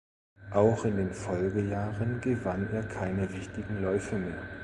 Auch in den Folgejahren gewann er keine wichtigen Läufe mehr.